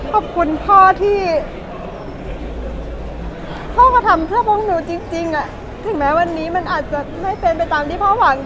ขอบคุณพ่อที่พ่อก็ทำเพื่อพวกหนูจริงถึงแม้วันนี้มันอาจจะไม่เป็นไปตามที่พ่อหวัง